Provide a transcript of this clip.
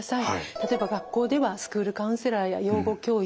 例えば学校ではスクールカウンセラーや養護教諭。